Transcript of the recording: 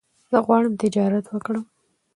زه غواړم تجارت وکړم